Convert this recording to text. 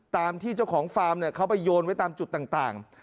ตามที่เจ้าของฟาร์มเขาไปโยนไว้ตามจุดต่าง